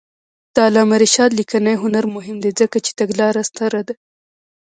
د علامه رشاد لیکنی هنر مهم دی ځکه چې تګلاره ستره ده.